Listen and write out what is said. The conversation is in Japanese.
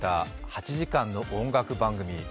８時間の音楽番組。